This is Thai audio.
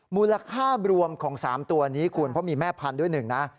มูลค่ารวมของ๓ตัวนี้คุณเพราะมีแม่พันธุ์ด้วยหนึ่งนะ